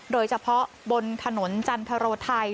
โดยเฉพาะบนถนนจันทโรไทย